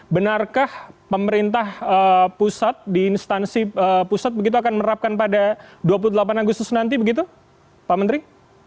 benarkah pemerintah pusat di instansi pusat begitu akan menerapkan pada dua puluh delapan agustus nanti begitu pak menteri